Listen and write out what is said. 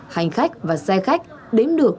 hành khách và xe khách đếm được